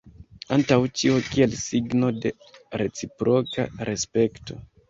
Antaŭ ĉio kiel signo de reciproka respekto.